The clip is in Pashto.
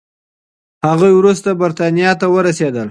هغوی وروسته بریتانیا ته ورسېدل.